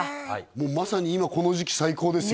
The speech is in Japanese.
もうまさに今この時期最高ですよ